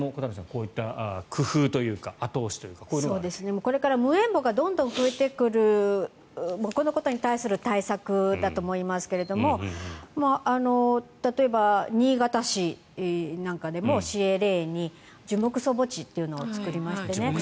こういった工夫というかこれから無縁墓がどんどん増えてくるこのことに対する対策だと思いますが例えば新潟市なんかでも市営霊園に樹木葬墓地というのを作りましてね。